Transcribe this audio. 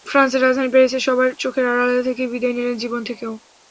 ফ্রান্সের রাজধানী প্যারিসে সবার চোখের আড়ালে থেকেই বিদায় নিলেন জীবন থেকেও।